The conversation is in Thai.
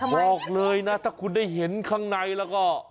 บอกเลยนะถ้าคุณได้เห็นข้างในแล้วก็